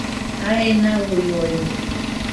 Jae nauioide